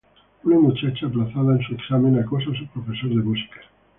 Una muchacha aplazada en su examen acosa a su profesor de música.